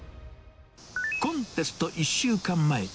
コンテスト１週間前。